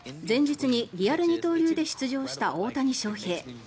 前日にリアル二刀流で出場した大谷翔平。